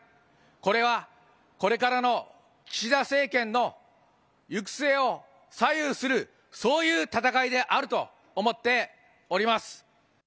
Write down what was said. これはこれからの岸田政権の行く末を左右する、そういう戦いであると思っております。